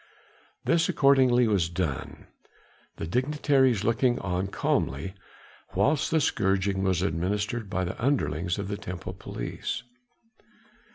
This accordingly was done, the dignitaries looking on calmly whilst the scourging was administered by the underlings of the temple police.